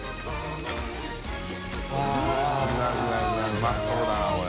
うまそうだなこれ。